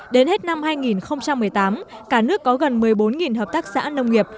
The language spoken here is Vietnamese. đến hết năm hai nghìn một mươi tám cả nước có gần một mươi bốn hợp tác xã nông nghiệp